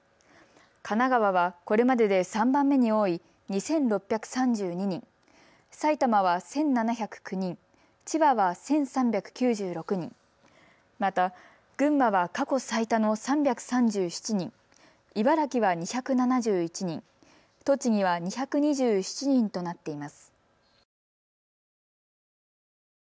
神奈川は、これまでで３番目に多い２６３２人、埼玉は１７０９人、千葉は１３９６人、また、群馬は過去最多の３３７人、茨城は２７１人、栃木は２２７人となっています。